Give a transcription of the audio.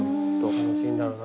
楽しいんだろうな。